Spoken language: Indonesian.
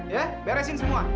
ya beresin semua